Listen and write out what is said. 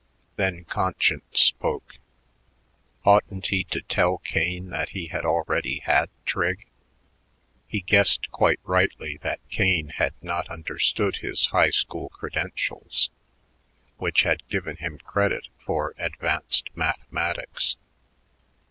Then conscience spoke. Oughtn't he to tell Kane that he had already had trig? He guessed quite rightly that Kane had not understood his high school credentials, which had given him credit for "advanced mathematics."